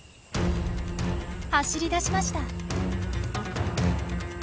走りだしました。